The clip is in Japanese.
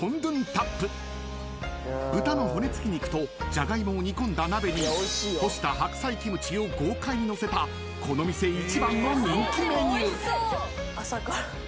［豚の骨付き肉とジャガイモを煮込んだ鍋に干した白菜キムチを豪快にのせたこの店一番の人気メニュー］